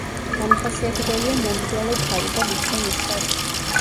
დამახასიათებელია მომრგვალო თავი და ვიწრო ნისკარტი.